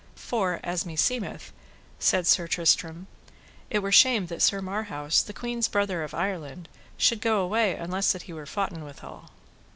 For, as meseemeth, said Sir Tristram, it were shame that Sir Marhaus, the queen's brother of Ireland, should go away unless that he were foughten withal.